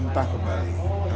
ini sudah mentah kembali